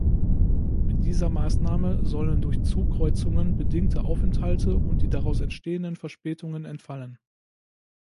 Mit dieser Maßnahme sollen durch Zugkreuzungen bedingte Aufenthalte und die daraus entstehenden Verspätungen entfallen.